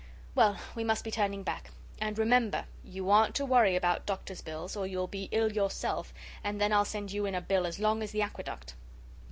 Well, we must be turning back. And, remember, you aren't to worry about doctor's bills or you'll be ill yourself, and then I'll send you in a bill as long as the aqueduct."